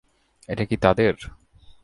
এটা কি তাদের?